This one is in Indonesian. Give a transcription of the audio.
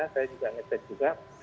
saya juga nge chat juga